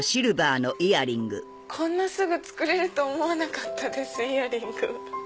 こんなすぐ作れると思わなかったですイヤリング。